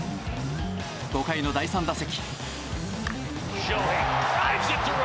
５回の第３打席。